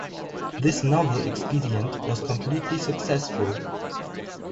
This novel expedient was completely successful.